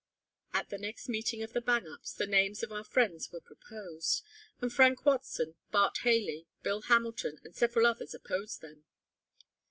At the next meeting of the Bang Ups the names of our friends were proposed. And Frank Watson, Bart Haley, Bill Hamilton and several others opposed them.